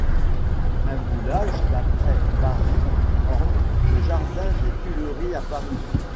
Un moulage d'après Barye orne le jardin des Tuileries à Paris.